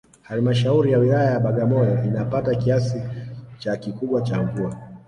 Halmashauri ya Wilaya ya Bagamyo inapata kiasi cha kikubwa cha mvua